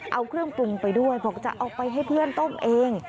เอาเครื่องปรุงไปด้วยบอกจะเอาไปให้เพื่อนต้มเอง